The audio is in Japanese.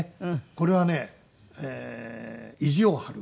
これはね意地を張る。